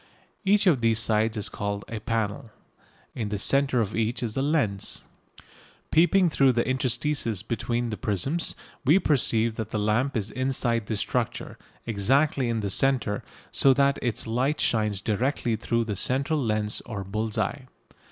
Each of these sides is called a "panel." In the centre of each is a lens. Peeping through the interstices between the prisms, we perceive that the lamp is inside this structure, exactly in the centre, so that its light shines directly through the central lens or bull's eye.